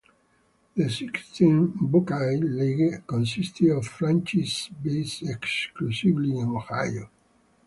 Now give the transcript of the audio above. The six–team Buckeye League consisted of franchises based exclusively in Ohio.